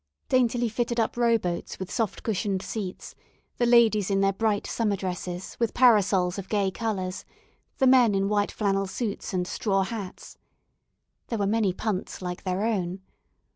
Daintily fitted up rowboats with soft cushioned seats, the ladies in their bright summer dresses, with parasols of gay colours; the men in white flannel suits and straw hats. There were many punts like their own.